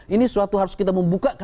ini suatu harus kita membuka ke dalam